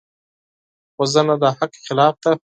وژنه د حق خلاف ده